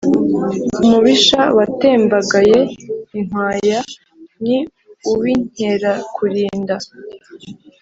Umubisha watembagaye inkwaya ni uw’Inkerakulinda